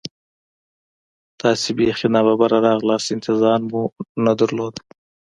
تاسې بیخي نا ببره راغلاست، انتظار مو نه درلود.